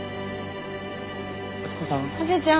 おじいちゃん。